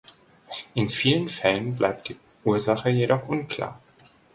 In vielen Fällen bleibt die Ursache jedoch unklar.